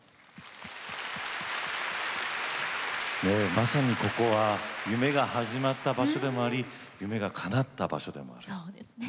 まさにここは夢が始まった場所でありかなった場所であるんですね。